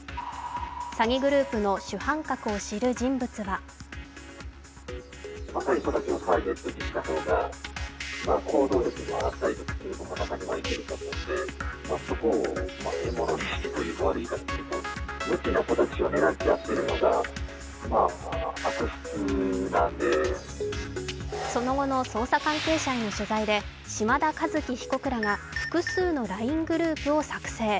詐欺グループの主犯格を知る人物はその後の捜査関係者への取材で、島田和樹被告らが複数のＬＩＮＥグループを作成。